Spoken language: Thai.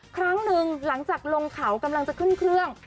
ครั้งหนึ่งหลังจากลงเขากำลังจะขึ้นเครื่อง